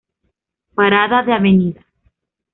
Parada de Av.